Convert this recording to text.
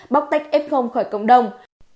bóc tách f khỏi cộng đồng